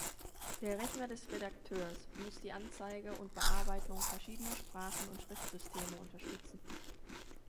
Der Rechner des Redakteurs muss die Anzeige und Bearbeitung verschiedener Sprachen und Schriftsysteme unterstützen.